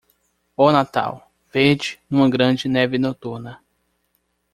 Oh Natal, verde, numa grande neve noturna.